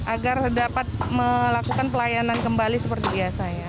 agar dapat melakukan pelayanan kembali seperti biasa ya